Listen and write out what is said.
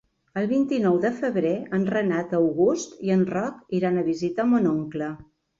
El vint-i-nou de febrer en Renat August i en Roc iran a visitar mon oncle.